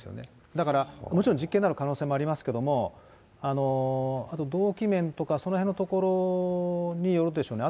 だから、もちろん実刑になる可能性ありますけれども、あと動機面とか、そのへんのところによるでしょうね。